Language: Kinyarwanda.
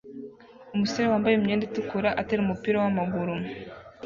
Umusore wambaye imyenda itukura atera umupira wamaguru